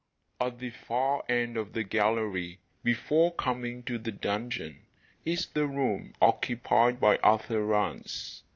At the far end of the gallery, before coming to the donjon, is the room occupied by Arthur Rance.